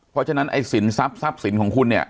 เพราะฉะนั้นไอ้สินทรัพย์ทรัพย์สินของคุณเนี่ย